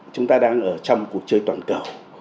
chúng ta đang ở trong cuộc chơi toàn cầu